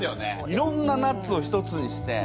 いろんなナッツを一つにして。